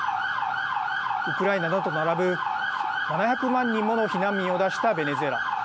ウクライナなどと並ぶ７００万人もの避難民を出したベネズエラ。